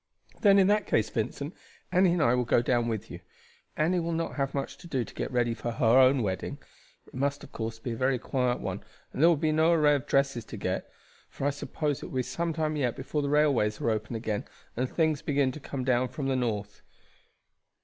"Then, in that case, Vincent, Annie and I will go down with you. Annie will not have much to do to get ready for her own wedding. It must, of course, be a very quiet one, and there will be no array of dresses to get; for I suppose it will be some time yet before the railways are open again and things begin to come down from the North."